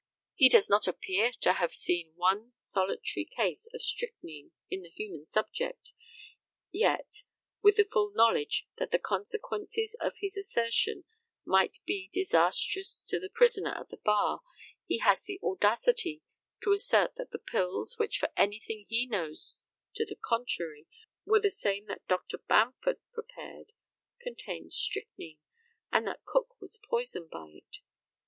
He does not appear to have ever seen one solitary case of strychnine in the human subject, yet, with the full knowledge that the consequences of his assertion might be disastrous to the prisoner at the bar, he has the audacity to assert that the pills, which for anything he knows to the contrary were the same that Dr. Bamford prepared, contained strychnine, and that Cook was poisoned by it.